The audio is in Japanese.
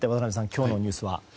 今日のニュースは？